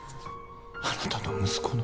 あなたの息子の